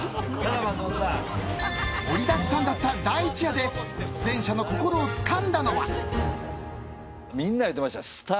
盛りだくさんだった第１夜で出演者の心をつかんだのはみんな言ってました。